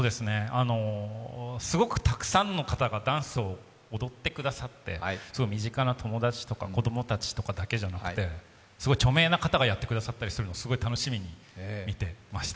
すごくたくさんの方がダンスを踊ってくださって、身近な友達とか子供たちだけじゃなくて、すごい著名な方がやってくださったりするのを楽しみに見てました。